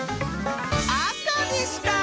あかでした！